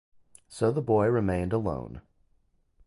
So the boy remained alone.